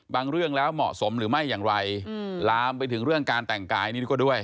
เรื่องแล้วเหมาะสมหรือไม่อย่างไรลามไปถึงเรื่องการแต่งกายนี่ก็ด้วย